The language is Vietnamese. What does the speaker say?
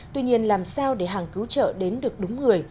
tuy nhiên làm sao để hàng cứu trợ đến được đúng người